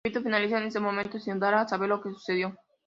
El capítulo finaliza en ese momento, sin dar a saber lo que sucedió.